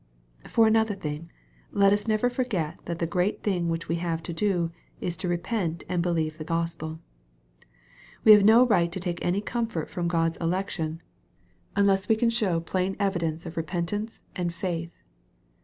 For another thing, let us never forget that the great thing we have to do, is to repent and believe the Gospel, We have no right to take any comfort from God's elec tion, unless we can show plain evidence of repentance MARK, CHAP. XIII. 285 and faith.